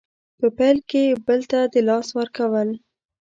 په پیل کې بل ته د لاس ورکول